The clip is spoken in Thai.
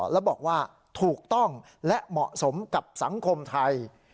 แล้วบอกว่าถูกต้องและเหมาะสมกับสังคมไทย